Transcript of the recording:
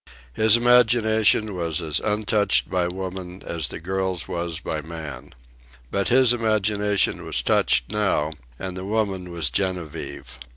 His imagination was as untouched by woman as the girl's was by man. But his imagination was touched now, and the woman was Genevieve.